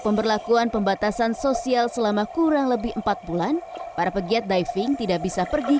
pemberlakuan pembatasan sosial selama kurang lebih empat bulan para pegiat diving tidak bisa pergi